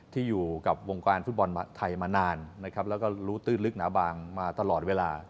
ที่อยู่กับวงการฟุตบอลไทยมานานนะครับแล้วก็รู้ตื้นลึกหนาบางมาตลอดเวลา